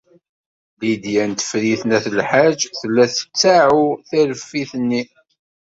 Lidya n Tifrit n At Lḥaǧ tella tettaɛu tiṛeffit-nni.